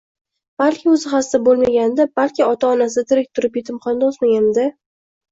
Balki o’zi hasta bo’lmaganida, balki ota onasi tirik turib yetimxonada o’smaganida.